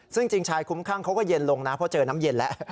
ซึ่งจริงชายคุ้มข้างเขาก็เย็นลงนะเพราะเจอน้ำเย็นแล้ว